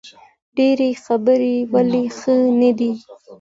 ډیرې خبرې ولې ښې نه دي؟